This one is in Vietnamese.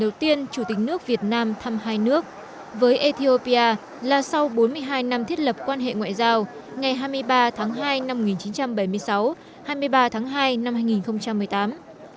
lần đầu tiên chủ tịch nước việt nam thăm hai nước với ethiopia là sau bốn mươi hai năm thiết lập quan hệ ngoại giao ngày hai mươi ba tháng hai năm một nghìn chín trăm bảy mươi sáu hai mươi ba tháng hai năm hai nghìn một mươi tám